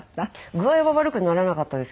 具合は悪くならなかったですけど